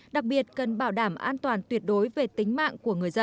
đặc biệt cần bảo đảm an toàn tuyệt đối về tính mạng của người dân